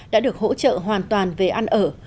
đã được hỗ trợ hoàn toàn về ăn ở